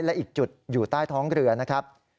และอีกจุดอยู่ใต้ท้องเรือนะครับ